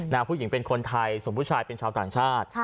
ผู้หญิงเป็นคนไทยส่วนผู้ชายเป็นชาวต่างชาติ